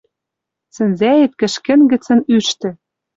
Сӹнзӓэт кӹшкӹн гӹцӹн ӱштӹ.